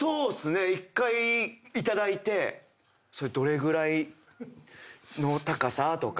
１回頂いてそれどれぐらいの高さ？とか。